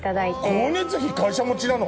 光熱費会社持ちなの？